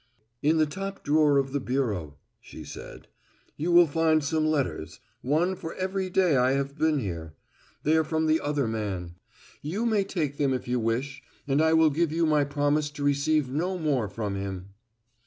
"In the top drawer of the bureau," she said, "you will find some letters one for every day I have been here. They are from the other man. You may take them if you wish and I will give you my promise to receive no more from him."